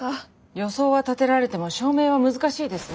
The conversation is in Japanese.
予想は立てられても証明は難しいですね。